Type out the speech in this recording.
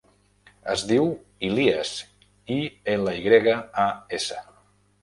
Es diu Ilyas: i, ela, i grega, a, essa.